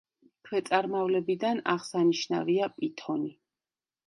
ქვეწარმავლებიდან აღსანიშნავია პითონი.